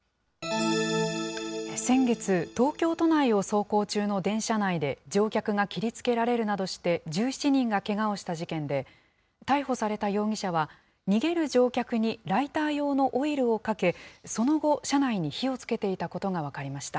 先月、東京都内を走行中の電車内で、乗客が切りつけられるなどして１７人がけがをした事件で、逮捕された容疑者は、逃げる乗客にライター用のオイルをかけ、その後、車内に火をつけていたことが分かりました。